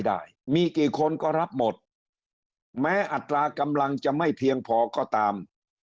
ได้มีกี่คนก็รับหมดแม้อัตรากำลังจะไม่เพียงพอก็ตาม